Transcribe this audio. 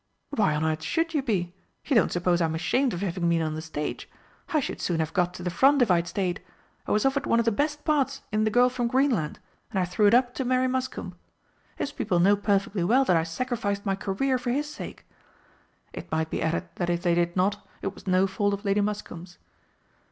"Why on earth should you be? You don't suppose I'm ashamed of having been on the stage? I should soon have got to the front if I had stayed. I was offered one of the best parts in 'The Girl from Greenland,' and I threw it up to marry Muscombe. His people know perfectly well that I sacrificed my career for his sake." (It might be added that if they did not, it was no fault of Lady Muscombe's.)